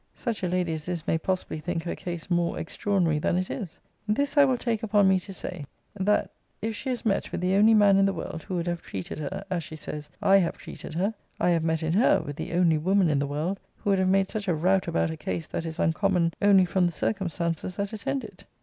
Such a lady as this may possibly think her case more extraordinary than it is. This I will take upon me to say, that if she has met with the only man in the world who would have treated her, as she says I have treated her, I have met in her with the only woman in the world who would have made such a rout about a case that is uncommon only from the circumstances that attend it.